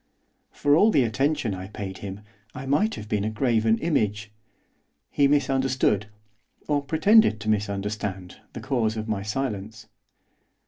For all the attention I paid him, I might have been a graven image. He misunderstood, or pretended to misunderstand, the cause of my silence.